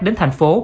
đến thành phố